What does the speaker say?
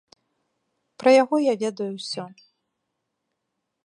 Пра яго я ведаю ўсё!